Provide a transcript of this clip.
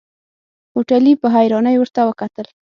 هوټلي په حيرانۍ ورته وکتل.